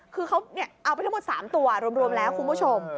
คือเขาเอาไปทั้งหมด๓ตัวรวมแล้วคุณผู้ชม